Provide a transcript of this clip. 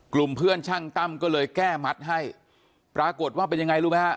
กลุ่มเพื่อนช่างตั้มก็เลยแก้มัดให้ปรากฏว่าเป็นยังไงรู้ไหมฮะ